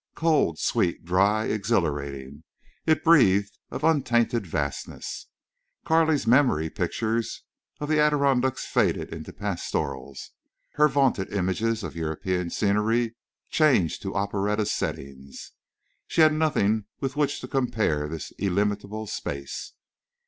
Cold, sweet, dry, exhilarating, it breathed of untainted vastness. Carley's memory pictures of the Adirondacks faded into pastorals; her vaunted images of European scenery changed to operetta settings. She had nothing with which to compare this illimitable space.